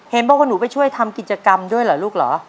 เห็นบอกว่าหนูไปช่วยทำกิจกรรมด้วยเหรอลูกเหรอ